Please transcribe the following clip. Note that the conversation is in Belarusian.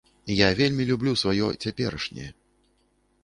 Я вельмі люблю сваё цяперашняе.